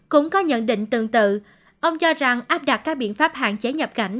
cũng có nhận định tương tự ông cho rằng áp đặt các biện pháp hạn chế nhập cảnh